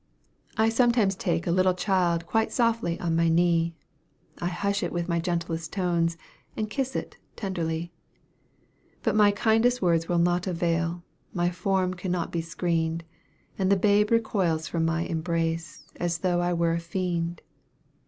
I sometimes take a little child quite softly on my knee, I hush it with my gentlest tones, and kiss it tenderly; But my kindest words will not avail, my form cannot be screened, And the babe recoils from my embrace, as though I were a fiend.